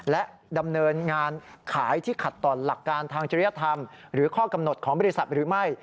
และดำเนินงานขายที่ขัดต่อหลักการทางจริยธรรมหรือข้อกำหนดของบริษัทหรือไม่